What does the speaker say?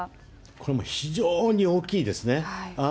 これはもう非常に大きいですね。